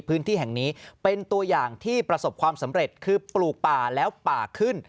พื้นที่แห่งนี้เป็นตัวอย่างที่ประสบความสำเร็จคือปลูกป่าแล้วป่าขึ้น